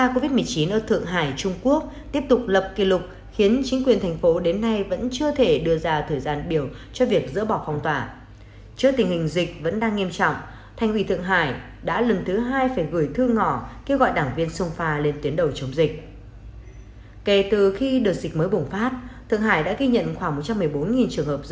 các bạn hãy đăng ký kênh để ủng hộ kênh của chúng mình nhé